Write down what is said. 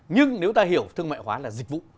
nhưng nếu ta hiểu thương mại hóa là dịch vụ